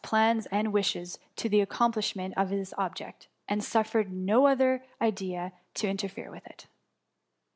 plans, and wishes to the accomplishment of this object, and suffered no other idea to inter fere with it.